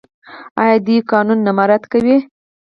آیا دوی قانون نه مراعات کوي؟